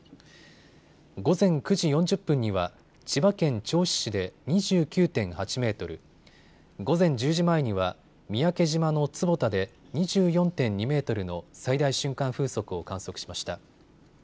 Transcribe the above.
午前９時４０分には千葉県銚子市で２９．８メートル、午前１０時前には三宅島の坪田で２４．２メートルの最大瞬間風速を観測しました。